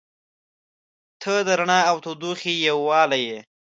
• ته د رڼا او تودوخې یووالی یې.